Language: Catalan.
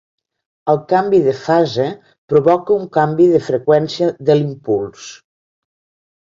El canvi de fase provoca un canvi de freqüència de l'impuls.